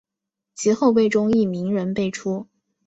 其后辈中亦名人辈出。